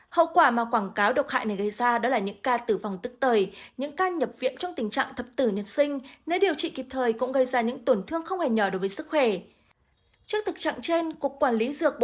hậu quả mà quảng cáo độc hại này gây ra đó là những ca tử vong tức tầy những ca nhập viện trong tình trạng thập tử nhật sinh nếu điều trị kịp thời cũng gây ra những tổn thương không hề nhỏ đối với sức khỏe